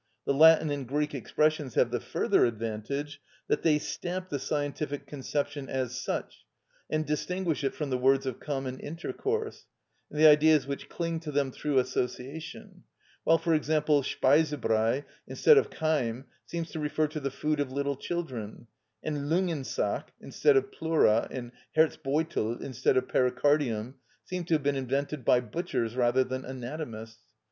The Latin and Greek expressions have the further advantage that they stamp the scientific conception as such, and distinguish it from the words of common intercourse, and the ideas which cling to them through association; while, for example, "Speisebrei" instead of chyme seems to refer to the food of little children, and "Lungensack" instead of pleura, and "Herzbeutel" instead of pericardium seem to have been invented by butchers rather than anatomists.